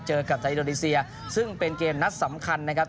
เจอกับทางอินโดนีเซียซึ่งเป็นเกมนัดสำคัญนะครับ